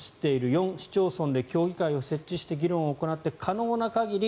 ４市町村で協議会を設置して議論を行って可能な限り